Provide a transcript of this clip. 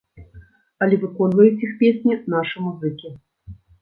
Але выконваюць іх песні нашы музыкі.